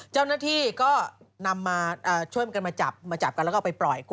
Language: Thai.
เจ้าหน้าที่ก็ช่วยมาก่อนแล้วก็ไปปล่อย